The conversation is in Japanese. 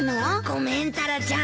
ごめんタラちゃん。